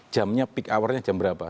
jamnya peak hournya jam berapa